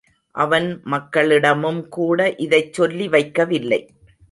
அவன் மக்களிடமும்கூட இதைச் சொல்லி வைக்கவில்லை.